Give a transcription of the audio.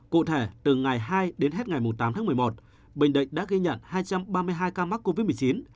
cụ thể từ ngày hai đến hết ngày tám tháng một mươi một bình định đã ghi nhận hai trăm ba mươi hai ca mắc covid một mươi chín